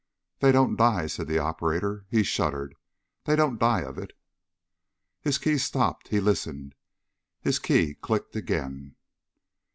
"They don't die," said the operator. He shuddered. "They don't die of it." His key stopped. He listened. His key clicked again.